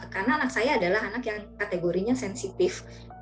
karena anak saya adalah anak yang kategorinya sensitif